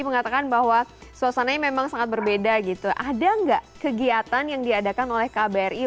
mengatakan bahwa suasananya memang sangat berbeda gitu ada enggak kegiatan yang diadakan oleh kbri